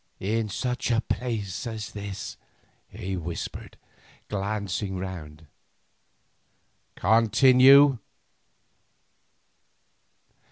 "In such a place as this," he whispered, glancing round. "Continue."